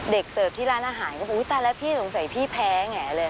เสิร์ฟที่ร้านอาหารก็อุ๊ยตายแล้วพี่สงสัยพี่แพ้แหงเลย